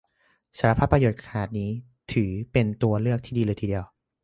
สารพัดประโยชน์ขนาดนี้ถือเป็นตัวเลือกที่ดีเลยทีเดียว